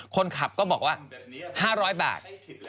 คนขับก็บอกว่า๕๐๐บาท